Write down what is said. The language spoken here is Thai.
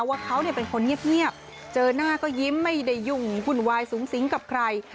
ว่าเขาเป็นคนเงียบเจอหน้าก็ยิ้มไม่ได้ยุ่งวุ่นวายสูงสิงกับใคร